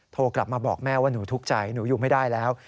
โทรกลับมาบอกแม่ว่าหนูทุกข์ใจหนูอยู่ไม่ได้แล้ว